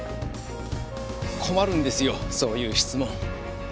困るんですよそういう質問。